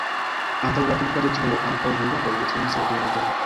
Antaŭ la turka detruo ankaŭ hungaroj detruis la vilaĝon.